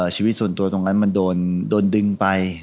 ชีวิตส่วนตัวตรงนั้นมันโดนดึงไป